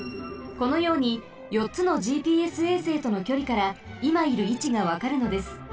このようによっつのＧＰＳ衛星とのきょりからいまいるいちがわかるのです。